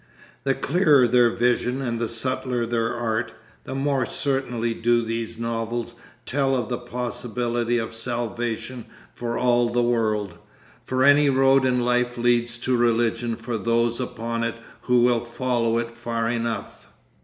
The clearer their vision and the subtler their art, the more certainly do these novels tell of the possibility of salvation for all the world. For any road in life leads to religion for those upon it who will follow it far enough....